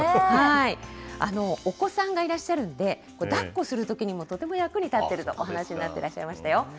お子さんがいらっしゃるんで、だっこするときにもとても役に立ってるとお話になっていらっしゃいましたよ。